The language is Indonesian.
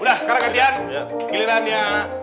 udah sekarang gantian gilirannya